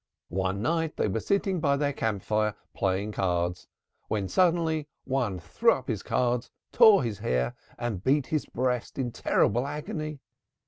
One night they were sitting by their campfire playing cards when suddenly one threw up his cards, tore his hair and beat his breast in terrible agony.